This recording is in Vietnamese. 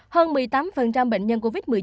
hơn một mươi tám bệnh nhân covid một mươi chín